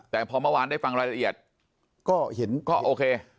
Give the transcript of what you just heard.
แต่พอเมื่อวานได้ฟังรายละเอียดก็เห็นก็โอเค